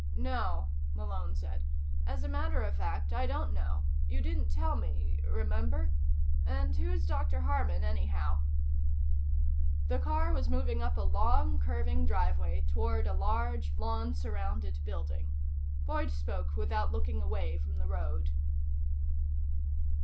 "No," Malone said. "As a matter of fact, I don't know. You didn't tell me remember? And who is Dr. Harman, anyhow?" The car was moving up a long, curving driveway toward a large, lawn surrounded building. Boyd spoke without looking away from the road.